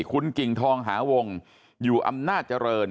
คุณกิ่งทองหาวงอยู่อำนาจเจริญ